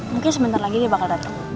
mungkin sebentar lagi dia bakal datang